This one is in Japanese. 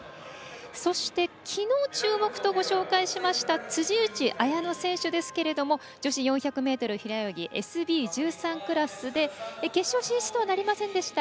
そして、きのう、注目とご紹介しました辻内彩野選手ですけれども女子４００ｍ平泳ぎＳＢ１３クラスで決勝進出とはなりませんでした。